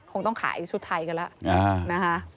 คงต้องขายชุดไทยกันแล้วนะคะ